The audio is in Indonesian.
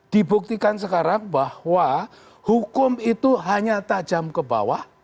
dibuktikan sekarang bahwa hukum itu hanya tajam ke bawah